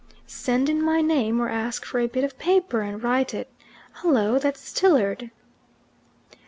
"Send in my name, or ask for a bit of paper and write it. Hullo! that's Tilliard!"